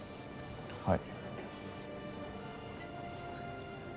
はい。